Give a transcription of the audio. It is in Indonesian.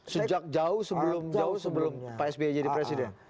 sejak jauh sebelum pak sbe jadi presiden